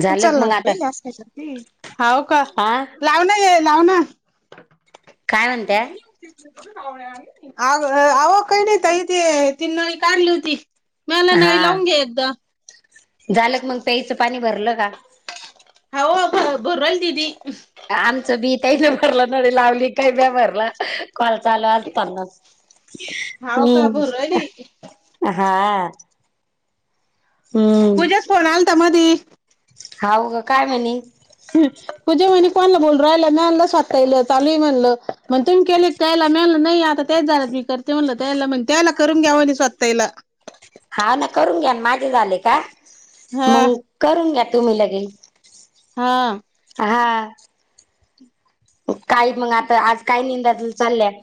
झालं का उचलला मग आता ना का होका हा लावना ये लाव ना काय म्हणते आहे? [unintelligible] आवा काही नाही त इथे तीन नळी काढली होती. मला नळी हा लावून घ्या एकदा झालं क मग प्यायचं पाणी भरलं का? हाव भरलं दिदी आमचं भी ताईनी ना भरलं नळी लावली काही म्या भरलं. कॉल चालू असतानाचं हाव का भरू हम्म राहिली हा पुज्याचा फोन आलता मधी. हा ग काय म्हणे? पुजा म्हणे कोणाला बोल रा राहिला मी आणलं स्वताय चालूय म्हणलं म्हण तुम्ही केले? त्यायला मिळालं नाही आता तेच झालं मी करते म्हणलं त्यायला म्हण त्यायला करून घ्यावणे स्वाती ताईला हा ना करून घ्या माझे झाले का हा मग करून घ्या तुम्ही लगेच हा हा काही मग आता आज काय निंदा चाललंय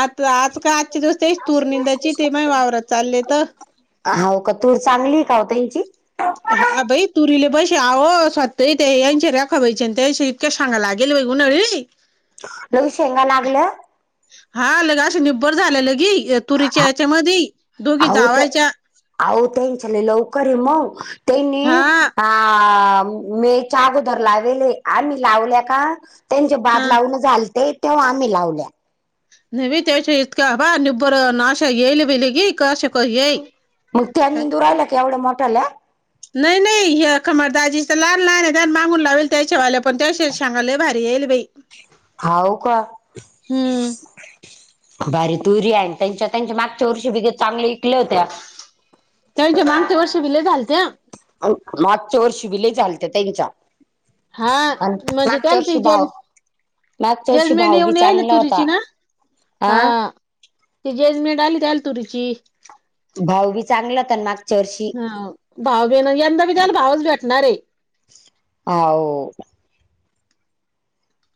आता आज का आजचे दिवस ते तुर्निंदाची ते मा वावरात चालले तर हो का तूर चांगली का हो त्यांची? हा बाई तुरीले बसे आव स्वती ताईचे ते यांच्या रखावायच्या त्याशी केसंग लागेल वैगुूनरीरी [unintelligible] लघ शेंगा लागल्या हा ल असं निबर झालं लगी तुरीच्या याच्या मधे दोघी जावायच्या. आहो त्यांच्याले लवकर आहे मग त्यांनी हा ह मे च्या अगोदर लावेले आहे आम्ही लावल्या का त्यांची बाद हा लावून झालते तेव्हा आम्ही लावल्या नवी तेच इथकावा निबर नाश येल विलग कर्शक येई मग त्या काय निंदू राहिल्या केवढ्या मोठाल्या नाही, नाही हे खमर दाजी तर लहान, लहान आहे त्या मागून लावेल त्यांच्या वाल्या पण त्याश चांंगले भारी येल आहे बाई हाव का हम्म भारी तुरी आहे त्यांच्या, त्यांच्या मागच्या वर्षी बि चांगल्या विकल्या होत्या. त्यांच्या मागच्या वर्षीबी लय झालत्या. मागच्या वर्षी बि लय झालत्या त्यांच्या. हा आणि म्हणजे मागच्या त्यांची वर्षी भाव जल मागच्या वर्षी जजमेंट भाव बी येऊन येल चांगला होता तुरुची ना हा. ते जेल मे डाल दाल तुरीची. भाव बी चांगला होता न मग हा भाव बेन यंदा बी त्याला भावच भेटणार आहे. हाव..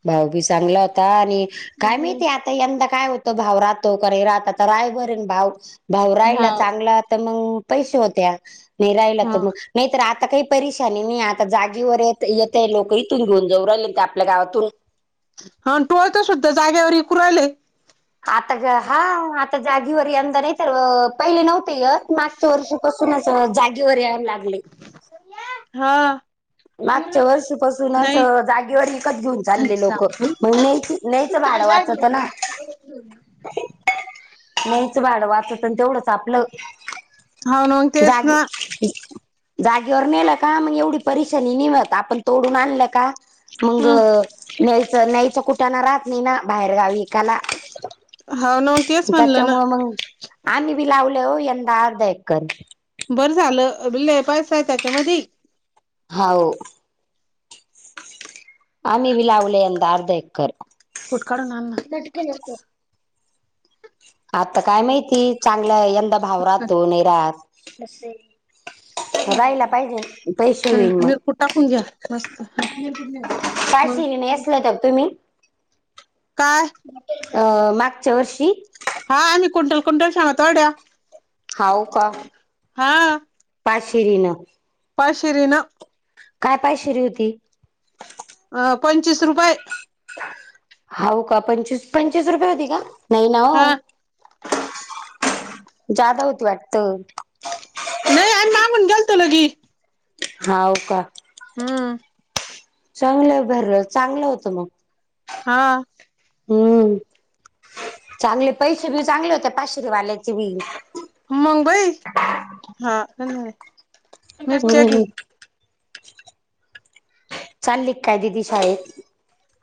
भाऊ बी चांगला होता आणि काय हम्म. माहिती आता. यंदा काय होतं भाव राहतो का राहता राय भरेन भाव भाव हा राहिला चांगला तर मग पैसे होत्या नाही राहिला हा. तर मग नाही तर आता काही परेशानी नाही आता जागेवर येत येते लोक इथून घेऊन जऊ राहिले आपल्या गावातून. हा टोळका सुद्धा जाग्यावर विकु राहिले. आता हा आता जागीवर यंदा नाही तर पहिले नव्हते येत पाच वर्षपासूनच जागेवर यायला लागले. हा. मागच्या वर्षीपासून नाही असं जागेवर विकत घेऊन चालले खालीच लाग लोक. बाई. मगण्यायच न्यायचं भाड वाचत ना. ब [unintelligible] न्यायचं भाडं वाचतन तेवढंच आपल हाव ना मग तेच ना जागे जागेवर नेलका मग एवढी परिस परेशानी नाही होत आपण तोडून आणलका मग हम्म न्यायचं, न्यायचं कुटाना राहत नाही ना बाहेर गावी. त्याला हाव ना मग तेच म्हणलं ना. त्याच्यामुळ मग आम्ही बी लावले हो यंदा अर्धा एकर. बरं झालं लय पैसा हे त्यांच्यामध्यी. हाव आम्ही बी लावले यंदा अर्ध एकर. कुट काढून आणना. पटकण येतो. आता काय माहिती चांगला यंदा भाव राहतो नाही राहत टाकून दे राहिला पाहिजे पैसे यांच्यात होईन मिरची मग मिरकुट टाकून घ्या मस्त. मग काय नेसल होत तुम्ही? काय? अ मागच्या वर्षी. हा आमही कुंल कुंटल शेंगा तोडल्या. हाव का पाशिरीनं. पाशीरीन. काय पाय शेरी होती? अ पंचवीस रुपये. हो का पंचवीस, पंचवीस रुपये होती का? नाही ना हो. हा. जादा होती वाटत. नाही आम्ही मागून गेलतो लगी. होाव का? हम्म. चांगलं भर चांगलं होतं मग हा. हम्म चांगले पैसे ब चांगले होते पाशरीवाल्याचे बी. मंगबई हा मिरच्या की चाली काय दिदी शाळेत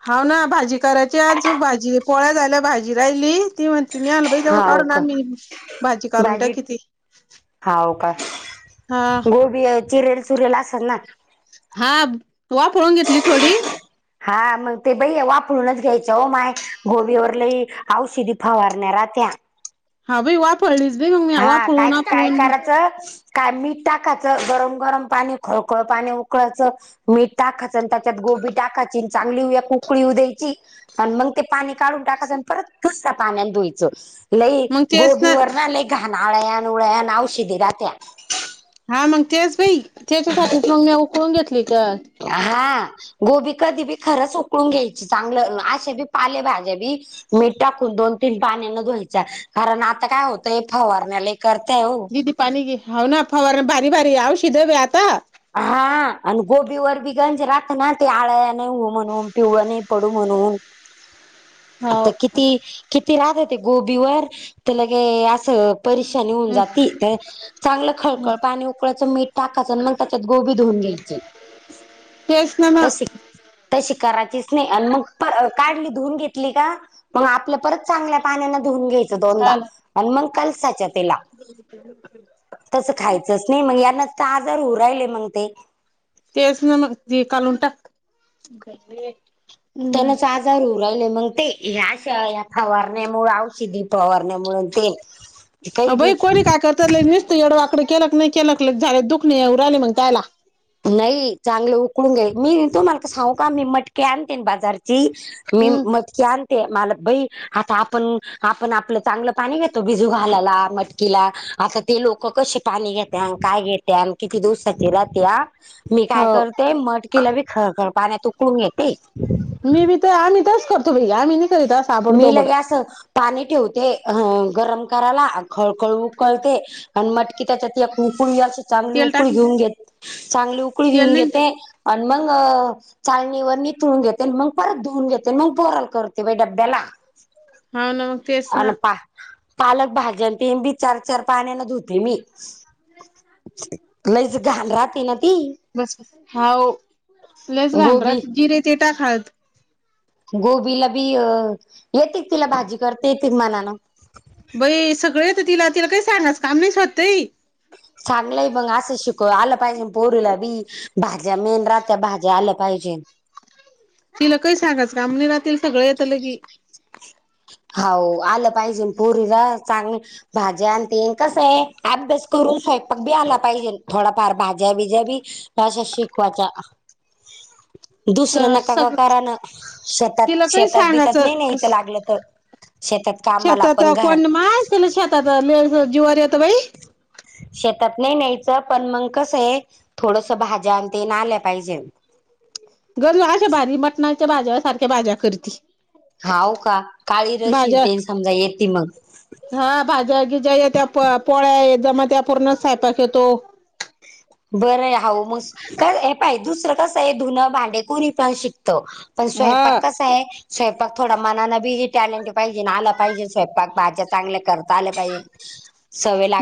हा ना भाजी करायची अजून भाजी पोळ्या झाल्या भाजी राहिली ती म्हणते मी आल. बा तेवढ हाव काढून का आण मी भाजी कालून ट किती? हा होवका? हा. गोबी चिरेल चुरेल असल ना. हा वा पळून घेतली थोडी हा मग ते बई वाफरलूनच घ्यायचं हो माय गोबिवर लई औषधी फावारण्या रा त्या्या हा भाई वा पळलीच. हा काय काय करायचं? काय मीठ टाकायचं गरम गरम पाणी खळखळ पाणी उकळायचं. मीठ टाकायचं आणि त्याच्यात गोबी टाकायची चांगली ककळीऊ द्यायची. आणि मग ते पाणी काढून टाकायचं आणि परत दुसरा पाण्या धुवायचं लई मग तेच गोबीवर ना लई घाान आळ्यान उळ्यान औ शिदीीरा त्या हा मग तेच बाई त्याच्यासाठी मग मी उकळून घेतली तर हा गोबी कधी बी खरंच उकळून घ्यायची चांगलं असशे बी पाले भाज्या बी मी टाकून दोन तीन पाण्या न धुयच कारण आता काय होतंय फवारण्याला करताय हो. क पाणी ग ह ना फवार बारी बारी ह शिजव आता हा आणि गोबीवर बी गंज राहत ना ते आळ्या नाही म्हणून पिऊ नाही. पडमणून हो. तर किती किती राहत होते गोबीवर तर लगे असं. परेशानी होऊन जातील तर चांगलं खळकळ पाणी उकळायचं मीठ टाकायचं मग त्याच्यात गोबी धुवून घ्यायचे. केस नामा तशी करायचीच नाही मग काढली धुून घेतली का मग आपलं परत चांगल्या पाण्यान धुऊून घ्यायचं दोनदा हा ना आणि मग कलसाच्या तिला तसं खायचंच नाही मग या नसत आजार उ राहिले मग ते तेच ना मग त कालंटा त्यालाचज राहिले मग ते ह्या श फवारण्यामुळे औषधी पवारण्या मुून ते [unintelligible] बाई कोणी काय करतात नसत एवढं वाकडं केलं क नाही केलं झाले दुख नाही उ राहिले मग त्यायला नाही चांगलं उकडून घे मी तुमला का सांू का मी मटकीे आणतेन बाजारची मी मग क आणते मला बई आता आपण आपण आपलं चांगलं पाणी घेतो भिजू घालाला मटकीला आता ते लोक कशी? पाणी घेते आणि काय घेते आणि किती दिवस राहते. मी काय हो करते मटकीला बी खळखळ पाण्यात तुकडून घेते. मी बी तर आम्ही तरच करतो भैी आम्ही नाही करीता साबड मी दोबड लगे असं पाणी ठेवते गरम करायला खळकळ उकळते. आणि मटकी त्याच्यातु चांगली तेल उकळी टाक ना घेऊन घेत चांगली उकळी घेऊन तेल नाही घेते. त्याच्यात आणि मग चालणी व मी तुळून घेतेन मग परत धुवून घेते मग पोराल करते. दला हा ना. तेच आणि ना पा पालक भाज्या प बी चार चार पाण्यान धुते मी. लईच घाल राहते ना ती. बस बस हाव लस गोबी घांटरात जिरे ते टाकात. गोबीला बी येते तिला भाजी करते येतेच मनान बई सगळे तर तिला तिला काही सांगणारच काम नाहीच होतंय. चांगलंय मग आ अस शिको आला पायसं परला बी भाज्या मेन रात्या भाज्या आल्या पाहिजे. तिला काही सांगाच कामणी राातील सगळ येत ल की हा आलं पाहिजे पुरीला चांग भाज्या आणतीलन कसं आहे अभ्यास करून स्वयंपाक बी आला पाहिजे थोडाफार भाज्या बिज्या बी भाशा शिकवाच्या. दुसरं अ नका का सग कराण शतात तिला काही शेतात बितात नाही सांगायचं न्यायचं लागलं तर [unintelligible] शताात पण कोण घरात मा शताात जीवारी येत बाई शेतात नाही न्यायचं पण मग कसं आहे थोडस भाज्या आण ते ना आल्या पाहिजे. गरज अशा भारी मटणाच्या भाज्या सारख्या भाज्या करती हाव का काळी रशील भाज्या ते समजा येते मग हा भाज्यागी ज्या त्या पोळ्या जमा त्या पूर्णच सायपाक येतो. बरं आहे ह मस् का पा दुसरं कसं आहे धुनं भांडेकुरी पण शिकत. पण स्वयंपाक हा कस आहे. स्वयंपाक थोडा मना बिजी टॅलेंट पाहिजे ना आलं पाहिजे स्वयंपाक भाज्या चांगल्या करता आलं पाहिजे. [inaudible]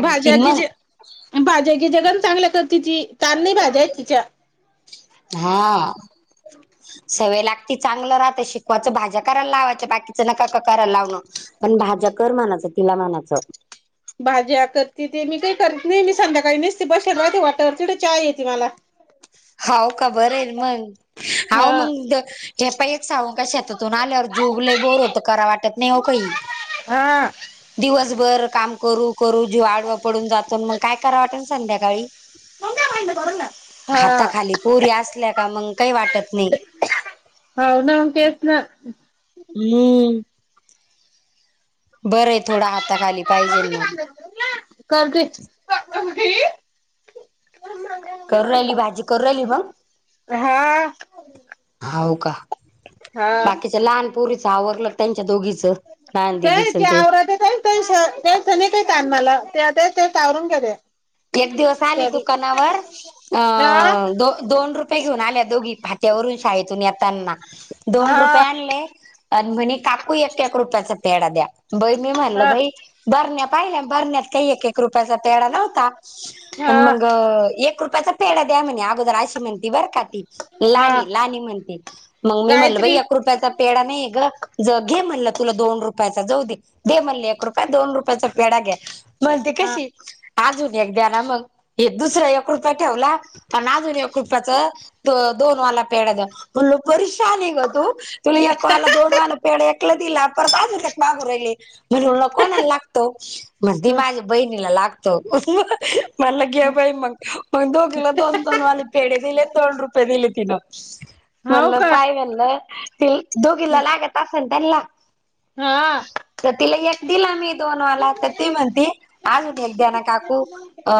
भाज्या गीज मग भाज्या घी जगण चांगल्या करतेि ती तान नाही भाज्या आहेत तिच्या. हा सवय लाग त चांगलं राहतं शिकवायचं भाज्या करायला लावायचं बाकीचं न का का कराय लावणं. पण भाज्या कर म्हनायचं तिला म्हनायचं. भाज्या करती ते मी काही करत नाही मी संध्याकाळी नसते बसेलवती वाटवर त य येते मला. होव का बरेल मग हव हा मंग. हे पण एक सागून काय शेतातून आलेवर अ जुबले बोर होत करा वाटत नाही हो काही हा. दिवसभर काम करू करू जी आडवा पडून जातून मग काय कराव वाटेल संध्याकाळी हाताखाली पोरी असल्या का मंग काही वाटत नाही. हो ना केच ना. हम्म. बरं आहे थोडा हाताखाली पाहिजे मग. करते. करू राहिली भाजी करू राहिली मंग हा होव का. हा बाकीच्या लहानपोरीच आवरलं त्यांच्या दोघीच लहान दिदीच ते ते ते नाही काय का मला ते ते ते आवरून काय ते. एक दिवस आली बी दुकानावर अ हा द दोन रुप रुपे घेऊन आल्या दोघी फात्यावरून शाळेतून येताना दोन रुपये हा आण आणि म्हणे काकू एक एक रुपयाचा पेढा द्या बई मी म्हणलं हा बाई. बरण्या पाहिल्या भरण्यात काही एक एक रुपयाचा पेढा नव्हता हा मग. एक रुपयाचा पेढा द्या म्हणे अगोदर अशी म्हणती बरं का ती. हा लाणी लाणी म्हणते मग मी म्हणल बाई गायत्री एक कृपयाचा. पेडा नाही ग ज घे म्हणलं तुला दोन रुपयाचा जाऊ दे. दे म्हणले एक रुपय दोन रुपयाचा पेढा घ्या म्हणते हा कशी अजून एक द्या ना मग. हे दुसरा एक रुपया ठेवला आणि अजून एक रुपयाचं. दोन वाला पेड्या द म्हणल परिशान ग तू तुला एक वाला दोन वाला पेड. त्यो दिला परत अजून एक मागू राहिले म्ह कोणाला लागतो मग ती माझ बहिणीला लागतो मला घे बाई मग मग दोघीला दोन दोन वाले पेढ दिले दोन रुपये दिले तिनं हाव म्हणल का पाय म्हणलं कि दोघिला लागत असल त्यां ला हा तर तिला एक दिला मी दोनवाला तर ती म्हणती अजून एक द्या ना काकू अ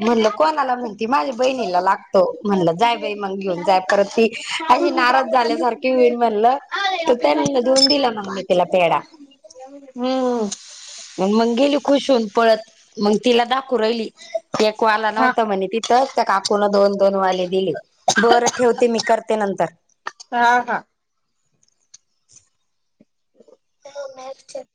म्हणल कोणाला म्हणती माझ्या बहिणीला लागतो म्हणलं जाय बाई मग घेऊन जाय परत ती अशी नाराज झाल्यासारखी होईन म्हणलं त ते धऊून दिला म मा तिला पेडा हम्म मंग गेली खुश होऊन पळत मग तिला दाखवू राहिली एक वाला हा नव्हत म्हणे तिथंच त्या काकूून दोन दोन वाले दिले बरं ठेवते मी करते नंतर हा हा [inaudible] हॅलो माईक चेक [unintelligible]